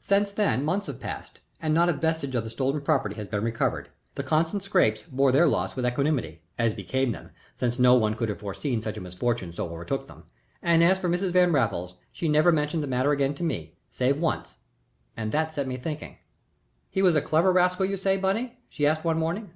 Since then months have passed and not a vestige of the stolen property has been recovered. The Constant Scrappes bore their loss with equanimity, as became them, since no one could have foreseen such a misfortune as overtook them; and as for Mrs. Van Raffles, she never mentioned the matter again to me, save once, and that set me to thinking. "He was a clever rascal you say, Bunny?" she asked one morning.